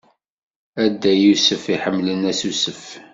A Dda Yusef iḥemmlen asusef.